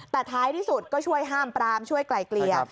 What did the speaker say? แต่ท้ายที่สุดก็ช่วยห้ามปรามช่วยไกลเกลี่ย